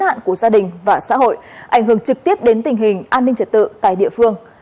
hạn của gia đình và xã hội ảnh hưởng trực tiếp đến tình hình an ninh trật tự tại địa phương